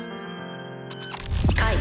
解。